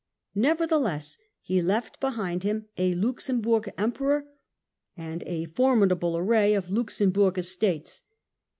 Nevertheless he left behind him a Luxemburg Emperor and a formidable array of Luxemburg estates.